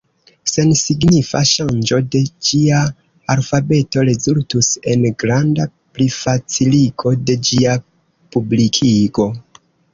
Sensignifa ŝanĝo de ĝia alfabeto rezultus en granda plifaciligo de ĝia publikigo.